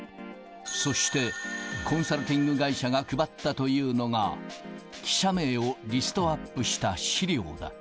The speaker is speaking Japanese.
そして、コンサルティング会社が配ったというのが、記者名をリストアップした資料だ。